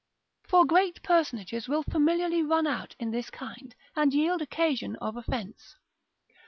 For great personages will familiarly run out in this kind, and yield occasion of offence.